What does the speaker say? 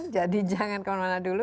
jadi jangan kemana mana dulu